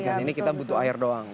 dan ini kita butuh air doang